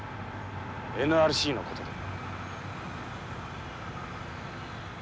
ＮＲＣのことで。